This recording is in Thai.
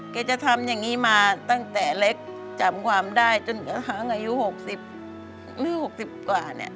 จะทำอย่างนี้มาตั้งแต่เล็กจำความได้จนกระทั่งอายุ๖๐หรือ๖๐กว่าเนี่ย